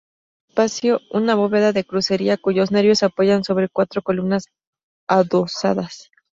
Recibe este espacio una bóveda de crucería cuyos nervios apoyan sobre cuatro columnas adosadas.